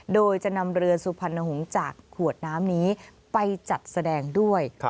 โดยจะนำเรือสุพรรณหงษ์จากขวดน้ำนี้ไปจัดแสดงด้วย